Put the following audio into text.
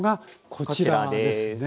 こちらです。